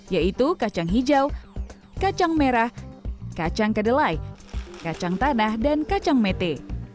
yaitu kacang hijau kacang merah kacang kedelai kacang tanah dan kacang mete